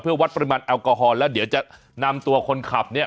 เพื่อวัดปริมาณแอลกอฮอลแล้วเดี๋ยวจะนำตัวคนขับเนี่ย